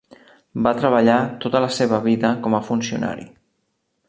Va treballar tota la seva vida com a funcionari.